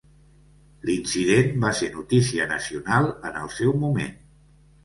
L'incident va ser notícia nacional en el seu moment.